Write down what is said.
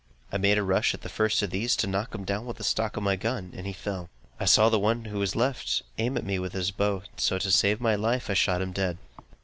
I made a rush at the first of these, to knock him down with the stock of my gun, and he fell. I saw the one who was left, aim at me with his bow, so, to save my life, I shot him dead.